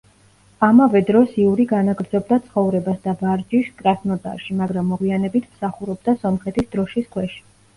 ამავე დროს იური განაგრძობდა ცხოვრებას და ვარჯიშს კრასნოდარში, მაგრამ მოგვიანებით მსახურობდა სომხეთის დროშის ქვეშ.